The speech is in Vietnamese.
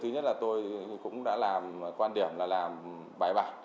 thứ nhất là tôi cũng đã làm quan điểm là làm bài bản